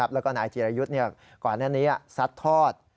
แล้วก็นายจีรยุทธ์ก่อนหน้านี้ซัดทอด